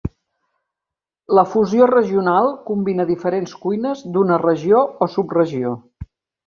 La fusió regional combina diferents cuines d"una regió o subregió.